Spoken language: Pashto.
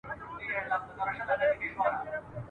چي د رنځ په کړاو نه وي پوهېدلي ..